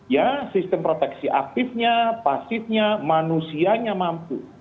ya sistem proteksi aktifnya pasitnya manusianya mampu